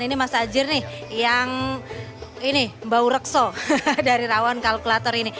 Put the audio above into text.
ini mas anzir nih yang ini mba urekso dari rawon kalkulator ini